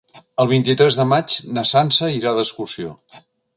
El vint-i-tres de maig na Sança irà d'excursió.